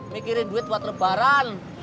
mikirin duit buat terbaran